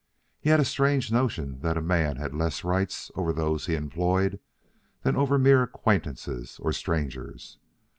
He had a strange notion that a man had less rights over those he employed than over mere acquaintances or strangers.